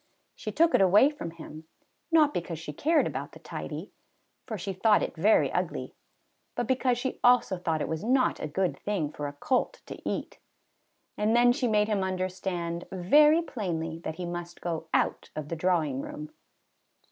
She took it away from him, not because she cared about the tidy, for she thought it very ugly; but because she also thought it was not a good thing for a colt to eat. And then she made him understand very plainly that he must go out of the drawing room.